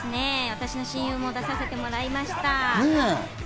私の親友も出させてもらいました。